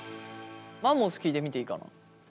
マンモス聞いてみていいかな。